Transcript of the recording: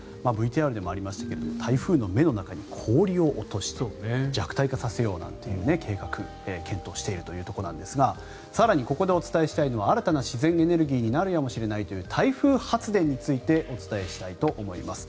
ＶＴＲでもありましたが台風の目の中に氷を落として弱体化させようなんていう計画を検討しているところなんですが更に、ここでお伝えしたいのは更なる自然エネルギーになるやもしれないという台風発電についてお伝えしたいと思います。